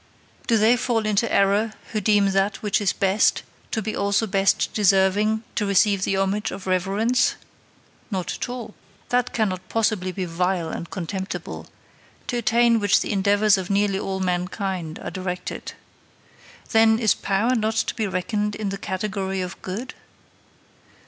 Do they fall into error who deem that which is best to be also best deserving to receive the homage of reverence? Not at all. That cannot possibly be vile and contemptible, to attain which the endeavours of nearly all mankind are directed. Then, is power not to be reckoned in the category of good?